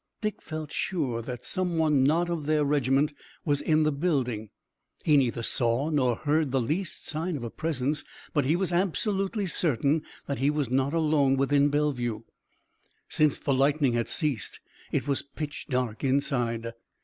Dick felt sure that some one not of their regiment was in the building. He neither saw nor heard the least sign of a presence, but he was absolutely certain that he was not alone within Bellevue. Since the lightning had ceased it was pitchy dark inside.